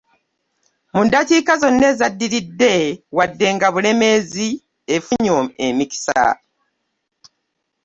Mu ddakiika zonna eziddiridde wadde nga Bulemeezi efunye emikisa